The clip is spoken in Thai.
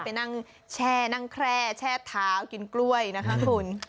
ไปนั่งแช่นั่งแคร่แช่เท้ากินกล้วยนะคะคุณ